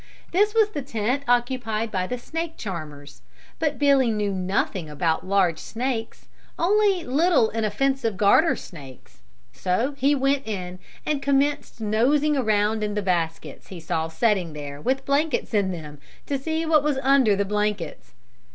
This was the tent occupied by the snake charmers, but Billy knew nothing about large snakes, only little inoffensive garter snakes, so he went in and commenced nosing around in the baskets he saw setting there with blankets in them to see what was under the blankets.